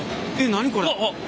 何これ！